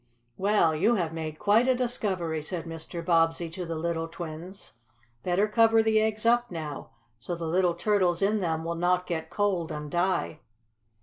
"Well, you have made quite a discovery," said Mr. Bobbsey to the little twins. "Better cover the eggs up now, so the little turtles in them will not get cold and die."